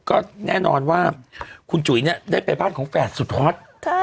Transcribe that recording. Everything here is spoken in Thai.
ก็แน่นอนว่าคุณจุ๋ยเนี่ยได้ไปบ้านของแฝดสุดฮอต